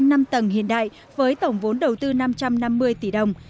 năm tầng hiện đại với tổng vốn đầu tư năm trăm năm mươi tỷ đồng